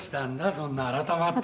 そんな改まって。